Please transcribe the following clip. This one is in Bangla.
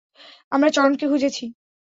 আমরা চরণকে খুঁজছি।